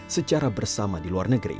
secara bersama di luar negeri